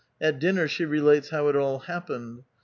At dinner she relates how it all happened.